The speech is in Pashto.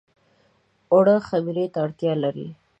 اوړه خمیر ته اړتيا لري